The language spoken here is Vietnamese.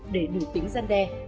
để đủ tính gian đe